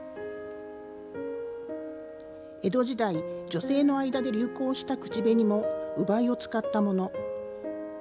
江戸時代、女性の間で流行した口紅も烏梅を使ったもの。